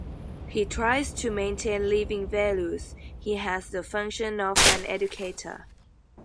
He tries to maintain living values, he has the function of an educator.